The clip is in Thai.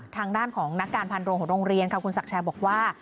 ทางด้านของนักการพันโรงของโรงเรียนค่ะคุณศักดิ์แชร์บอกว่า